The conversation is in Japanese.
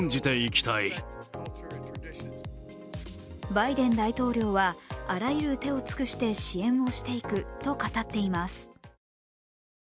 バイデン大統領はあらゆる手を尽くして支援をしていくと語っています。